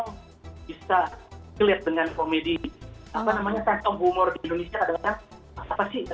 kalau bisa relate dengan komedi apa namanya tantang humor di indonesia adalah apa sih